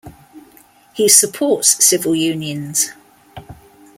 He supports civil unions.